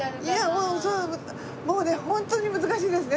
もうねホントに難しいですね。